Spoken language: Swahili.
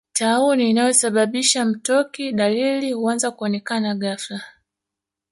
Tauni inayosababisha mtoki Dalili huanza kuonekana ghafla